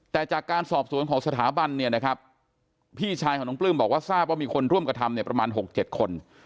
แต่จากการสอบสวนของสถาบันเนี่ยนะครับพี่ชายของน้องปลื้มบอกว่าทราบว่ามีคนร่วมกระทำเนี่ยประมาณ๖๗คน